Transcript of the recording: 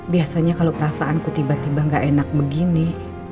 biasanya kalau perasaanku tiba tiba gak enak begini